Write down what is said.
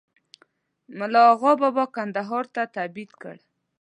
مُلا آغابابا کندهار ته تبعید کړ.